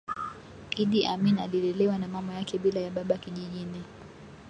Iddi Amin alilelewa na mama yake bila ya baba kijijini